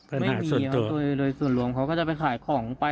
ไม่มีครับโดยส่วนรวมเขาก็จะไปขายของไป